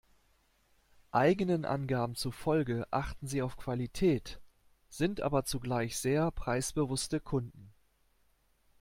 Eigenen Angaben zufolge achten sie auf Qualität, sind aber zugleich sehr preisbewusste Kunden.